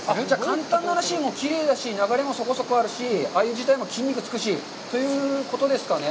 簡単な話、きれいだし、流れもそこそこあるし、アユ自体も美しいということですかね。